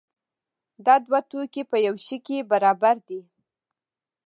دا دوه توکي په یو شي کې برابر دي.